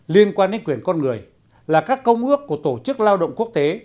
liên quan đến quyền con người là các công ước của tổ chức lao động quốc tế